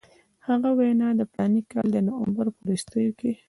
هغه وینا د فلاني کال د نومبر په وروستیو کې.